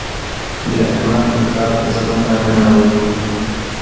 د احمد کتاب په ځمکه ننوت.